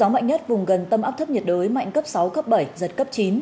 mạnh cấp sáu cấp bảy giật cấp chín